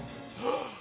あっ！